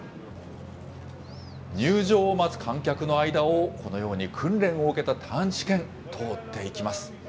入場を待つ観客の間を、このように訓練を受けた探知犬、通っていきます。